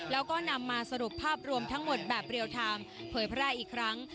แล้วก็นำมาสรุปภาพรวมทั้งหมดแบบเรียลไทม์เผยแพร่อีกครั้ง